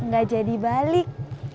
gak jadi balik